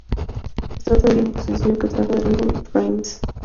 Se trata del único sencillo que se extrajo del álbum Trance.